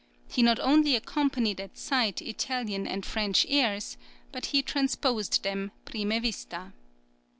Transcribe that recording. [20024] He not only accompanied at sight Italian and French airs, but he transposed them [prima vista].